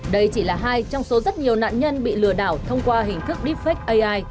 đây chỉ là hai trong số rất nhiều nạn nhân bị lừa đảo thông qua hình thức deepfake ai